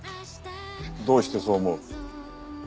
どうしてそう思う？